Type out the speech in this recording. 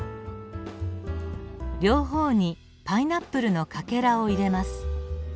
両方にパイナップルのかけらを入れます。